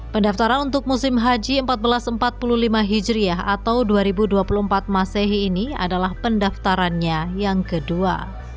pendaftaran untuk musim haji seribu empat ratus empat puluh lima hijriah atau dua ribu dua puluh empat masehi ini adalah pendaftarannya yang kedua